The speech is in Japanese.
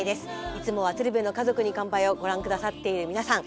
いつもは「鶴瓶の家族に乾杯」をご覧くださっている皆さん